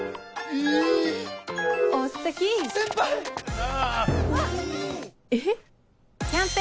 あ！